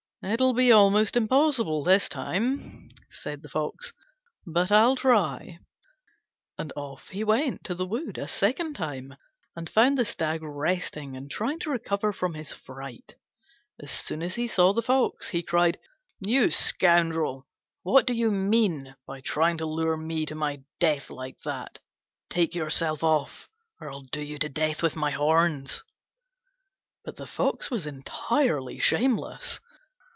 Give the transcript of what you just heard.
"It'll be almost impossible this time," said the Fox, "but I'll try"; and off he went to the wood a second time, and found the Stag resting and trying to recover from his fright. As soon as he saw the Fox he cried, "You scoundrel, what do you mean by trying to lure me to my death like that? Take yourself off, or I'll do you to death with my horns." But the Fox was entirely shameless.